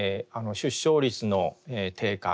出生率の低下